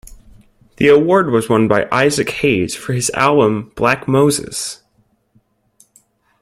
The award was won by Isaac Hayes for his album "Black Moses".